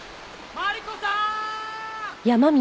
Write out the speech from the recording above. マリコさーん！